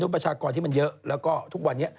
ประชากรที่มันเยอะแล้วก็ทุกวันนี้